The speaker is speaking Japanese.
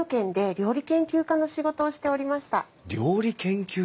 料理研究家！